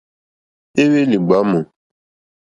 Éhwélì ɡbámù.